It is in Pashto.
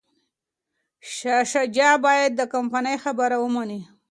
شاه شجاع باید د کمپانۍ خبره ومني.